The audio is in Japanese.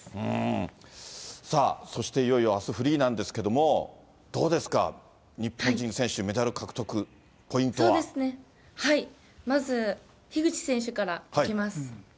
さあ、そしていよいよあす、フリーなんですけれども、どうですか、日本人選手、メダル獲得、そうですね、まず樋口選手からいきます。